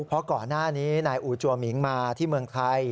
เพราะก่อนหน้านี้นายอูจัวมิงมาที่เมืองไทย